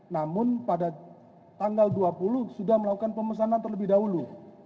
namun pada tanggal dua puluh sudah melakukan pemesanan terlebih dahulu